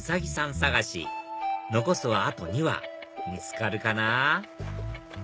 探し残すはあと２羽見つかるかな？